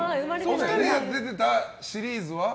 お二人が出てたシリーズは？